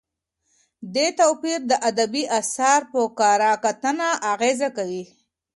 دې توپیر د ادبي اثر په کره کتنه اغېز کوي.